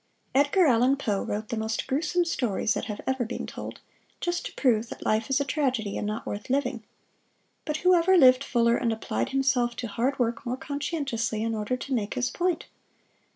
Edgar Allan Poe wrote the most gruesome stories that have ever been told, just to prove that life is a tragedy and not worth living. But who ever lived fuller and applied himself to hard work more conscientiously in order to make his point?